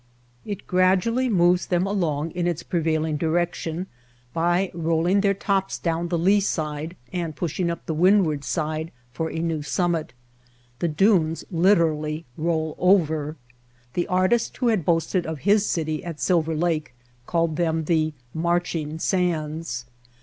It gradually moves them along in its prevailing direction by rolling their tops down the lee side and pushing up the windward side for a new summit. The dunes literally roll over. The artist who had boasted of his city at Silver Lake called them the "marching sands."